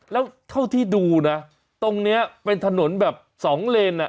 แล้วเท่าที่ดูนะตรงนี้เป็นถนนแบบสองเลน